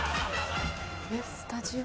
スタジオ？